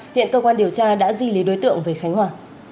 hiện cơ quan điều tra đã di lý đối tượng về khánh hòa